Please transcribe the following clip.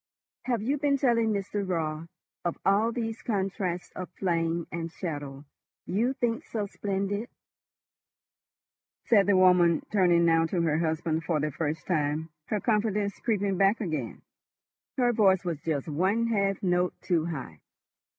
"Have you been telling Mr. Raut of all these contrasts of flame and shadow you think so splendid?" said the woman, turning now to her husband for the first time, her confidence creeping back again, her voice just one half note too high.